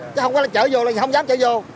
chứ không có chở vô là không dám chở vô